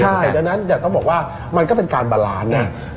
เพราะฉะนั้นเนี่ยต้องบอกว่ามันก็เป็นการบารานซ์เนี่ย